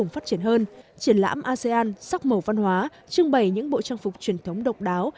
phát triển hơn triển lãm asean sắc màu văn hóa trưng bày những bộ trang phục truyền thống độc đáo